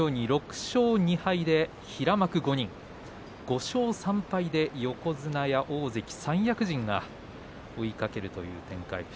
６勝２敗で平幕５人、５勝３敗で横綱や大関、三役陣が追いかけるという展開。